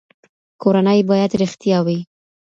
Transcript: کورنۍ باید رښتیا وي.